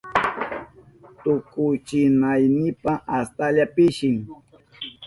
Tukuchinaynipa astalla pishin.